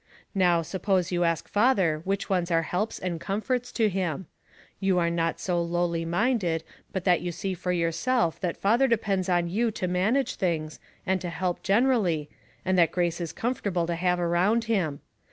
Now, suppose you ask father which ones are helps and comforts to him. You are not so lowly minded but that you see for yourself that father depends on you to manage things, and to help generally, and that Grace is comfortable to have around him.